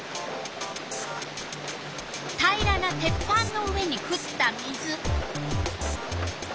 平らな鉄板の上にふった水。